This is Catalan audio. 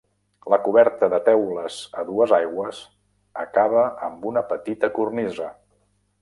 La coberta de teules a dues aigües acaba amb una petita cornisa.